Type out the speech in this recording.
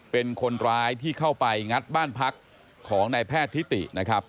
เป็นคนร้ายที่เข้าไปงัดบ้านพักของนายแพทย์ทิตินะครับ